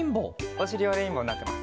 おしりはレインボーになってます。